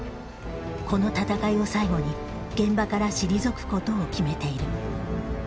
この闘いを最後に現場から退くことを決めている。